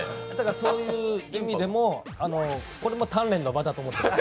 そういう意味でも、これも鍛錬の場だと思ってます。